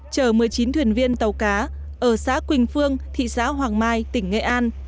chở một mươi chín thuyền viên tàu cá ở xã quỳnh phương thị xã hoàng mai tỉnh nghệ an